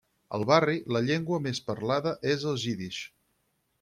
Al barri, la llengua més parlada és el jiddisch.